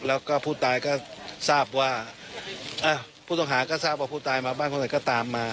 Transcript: แล้วก็ผู้ตายก็ทราบว่าผู้ต้องหาก็ทราบว่าผู้ตายมาบ้านคนไหนก็ตามมา